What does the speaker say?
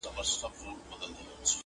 یوه لمسي ورڅخه وپوښتل چي ګرانه بابا!!